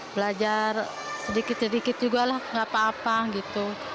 belajar sedikit sedikit juga lah gak apa apa gitu